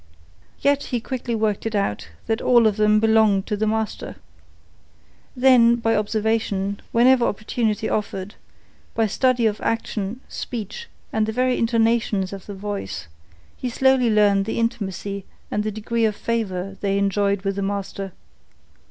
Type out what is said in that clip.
Yet he quickly worked it out that all of them belonged to the master. Then, by observation, whenever opportunity offered, by study of action, speech, and the very intonations of the voice, he slowly learned the intimacy and the degree of favour they enjoyed with the master.